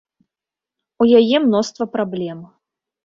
У яе мноства праблем.